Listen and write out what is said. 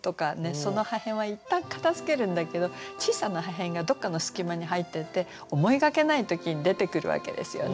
その破片は一旦片づけるんだけど小さな破片がどっかの隙間に入っていて思いがけない時に出てくるわけですよね。